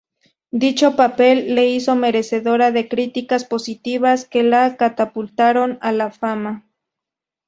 Dicho papel le hizo merecedora de críticas positivas que la catapultaron a la fama.